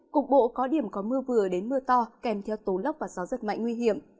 cục bộ có điểm có mưa vừa đến mưa to kèm theo tố lốc và gió rất mạnh nguy hiểm